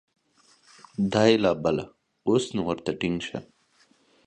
دا یې لا بله ، اوس نو ورته ټینګ شه !